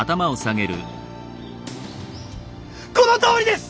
このとおりです！